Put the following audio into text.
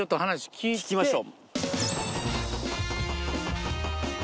聞きましょう。